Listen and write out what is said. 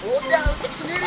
udah lu cek sendiri